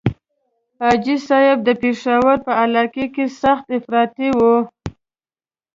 حاجي صاحب د پېښور په علاقه کې سخت افراطي وو.